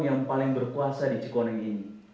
yang paling berkuasa di cikoneng ini